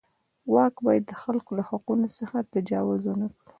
واک باید د خلکو له حقونو څخه تجاوز ونه کړي.